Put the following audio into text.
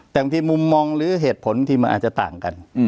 แต่บางทีมุมมองหรือเหตุผลที่มันอาจจะต่างกัน